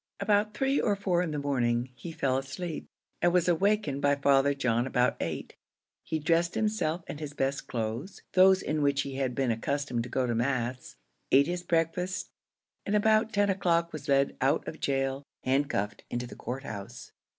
About three or four in the morning, he fell asleep, and was awakened by Father John about eight; he dressed himself in his best clothes those in which he had been accustomed to go to mass ate his breakfast, and about ten o'clock was led out of gaol, handcuffed, into the court house.